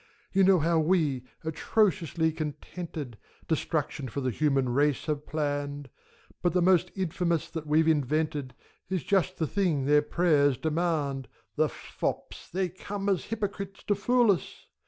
You know how we, atrociously contented. Destruction for the human race have planned : But the most infamous that we've invented Is just the thing their prayers demand. The fops, they come as hypocrites, to fool us